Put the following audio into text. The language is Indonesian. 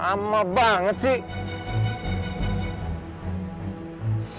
lama banget sih